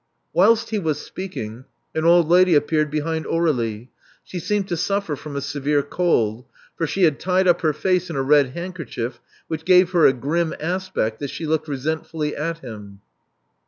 Whilst he was speaking, an old lady appeared behind Aur^lie. She seemed to suffer from a severe cold; for she had tied up her face in a red handkerchief, which gave her a grim aspect as she looked resentfully at him.